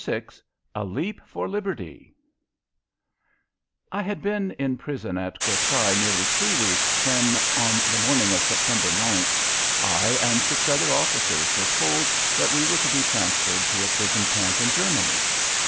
VI A LEAP FOR LIBERTY I had been in prison at Courtrai nearly three weeks when, on the morning of September 9th, I and six other officers were told that we were to be transferred to a prison camp in Germany.